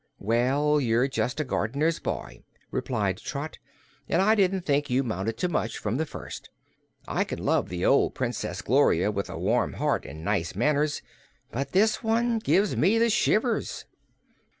"Well, you're just a gardener's boy," replied Trot, "and I didn't think you 'mounted to much, from the first. I can love the old Princess Gloria, with a warm heart an' nice manners, but this one gives me the shivers."